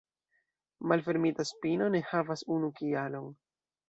Malfermita spino ne havas unu kialon.